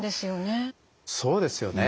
そうですよね。